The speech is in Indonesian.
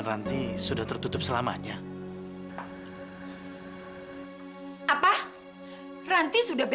ranti sudah bebas